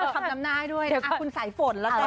ทำน้ำหน้าให้ด้วยนะคุณสายฝนแล้วกัน